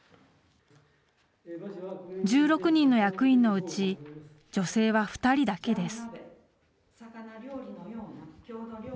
１６人の役員のうち女性は２人だけです。